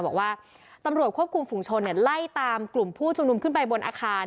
บอกว่าตำรวจควบคุมฝุงชนไล่ตามกลุ่มผู้ชุมนุมขึ้นไปบนอาคาร